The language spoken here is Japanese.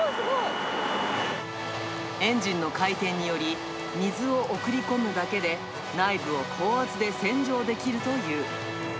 エンジンの回転により、水を送り込むだけで、内部を高圧で洗浄できるという。